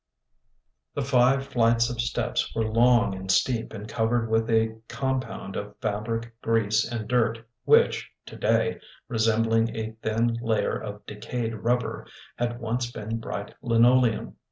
II The five flights of steps were long and steep and covered with a compound of fabric, grease, and dirt which, today resembling a thin layer of decayed rubber, had once been bright linoleum.